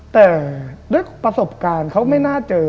แต่ด้วยประสบการณ์เขาไม่น่าเจอ